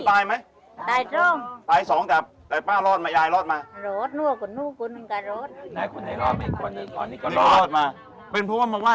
ฮะยายนะฮะชอบไหม